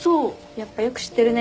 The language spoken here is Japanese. やっぱよく知ってるね。